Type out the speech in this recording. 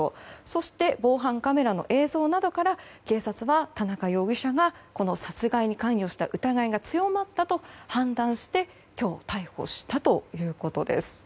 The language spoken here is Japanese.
そして、防犯カメラの映像などから警察は、田中容疑者が殺害に関与した疑いが強まったと判断して今日逮捕したということです。